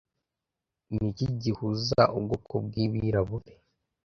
Niki gihuzae Ubwoko bwibirahure